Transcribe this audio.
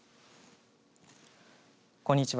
こんにちは。